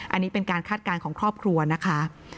อันนี้เป็นการคาดการณ์ของครอบครัวนะคะ